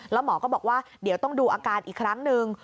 แล้วหมอก็บอกว่าเดี๋ยวต้องดูอาการอีกครั้งหนึ่ง